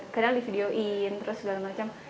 kadang di videoin terus segala macam